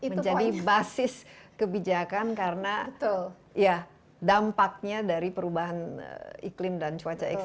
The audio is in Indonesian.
menjadi basis kebijakan karena dampaknya dari perubahan iklim dan cuaca ekstrim ini adalah ya seharusnya digunakan